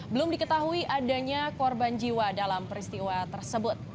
belum diketahui adanya korban jiwa dalam peristiwa tersebut